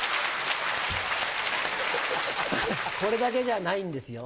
これだけじゃないんですよ。